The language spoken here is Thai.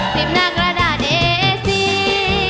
ทรีปหน้ากระดาษเอซี